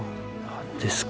何ですか？